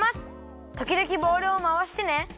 ときどきボウルをまわしてね。